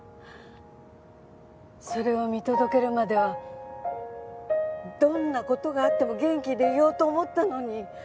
それを見届けるまではどんな事があっても元気でいようと思ったのに。